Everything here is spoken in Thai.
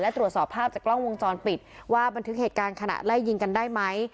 และตรวจสอบภาพจากกล้องวงจรปิดว่าบันทึกเหตุการณ์ขณะไล่ยิงกันได้ไหม